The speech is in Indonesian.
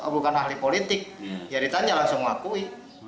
bukan ahli politik ya ditanya langsung ngakui